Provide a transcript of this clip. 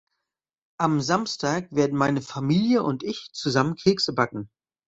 Am Samstag werden meine Familie und ich zusammen Kekse backen.